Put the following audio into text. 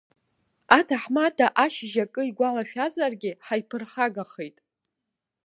Аҭаҳмада ашьыжь акы игәалашәазаргьы ҳаиԥырхагахеит!